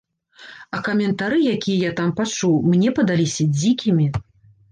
А каментары, якія я там пачуў, мне падаліся дзікімі.